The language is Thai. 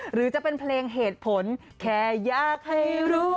หรือจะเป็นเพลงเหตุผลแค่อยากให้รู้